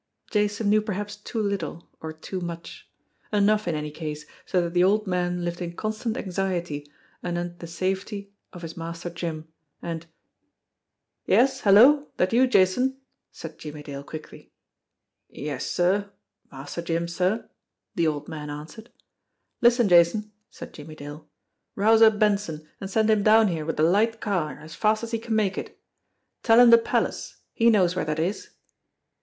Jason knew perhaps too little or too much ; enough, in any case, so that the old man lived in con stant anxiety anent the safety of his Master Jim, and <<i 'Yes! Hello! That you, Jason?" said Jimmie Dale quickly. "Yes, sir Master Jim, sir," the old man answered. "Listen, Jason!" said Jimmie Dale. "Rouse up Benson, and send him down here with the light car as fast as he can make it. Tell him the Palace he knows where that is."